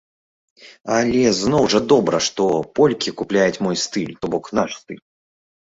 Але зноў жа добра, што полькі купляюць мой стыль, то бок наш стыль.